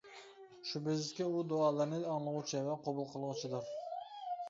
شۈبھىسىزكى ئۇ دۇئالارنى ئاڭلىغۇچى ۋە قوبۇل قىلغۇچىدۇر.